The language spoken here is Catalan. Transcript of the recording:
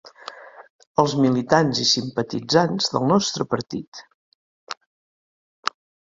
Els militants i simpatitzants del nostre partit.